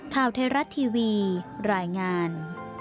ข่าวเทราวาสทีวีรายงาน